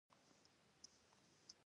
دا یواځې د ځمکې دوه سلنه برخه وه.